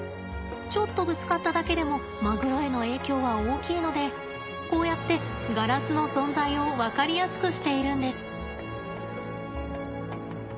ちょっとぶつかっただけでもマグロへの影響は大きいのでこうやってガラスの存在を分かりやすくしているんです。